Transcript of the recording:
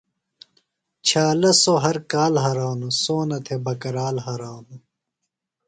چھالہ سوۡ ہر کال ہرانوۡ ، سونہ تھۡے بکرال ہرانوۡ